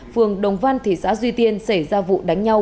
phường đồng văn thị xã duy tiên xảy ra vụ đánh nhau